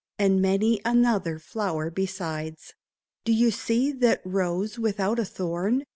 And many another flower besides. Do you see that rose without a thorn